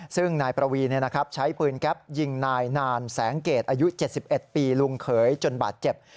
ซึ่งนายประวีใช้ปืนแก๊ปยิงนายนานแสงเกรดอายุ๗๑ปีลุงเขยจนบาดเจ็บ